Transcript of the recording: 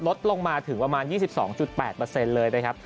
ลดลงมาถึงประมาณ๒๒๘เปอร์เซ็นต์เลยนะครับ